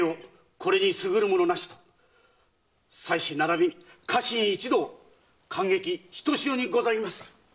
これに優るものなしと妻子ならびに家臣一同感激ひとしおにございます。